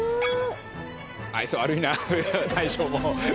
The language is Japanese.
愛想悪いな大将も。